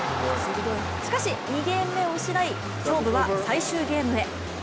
しかし２ゲーム目を失い勝負は最終ゲームへ。